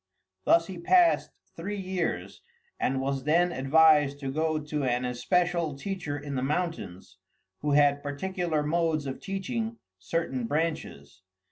Thus he passed three years, and was then advised to go to an especial teacher in the mountains, who had particular modes of teaching certain branches.